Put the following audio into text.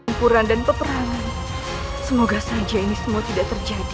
tempuran dan peperangan semoga saja ini semua tidak terjadi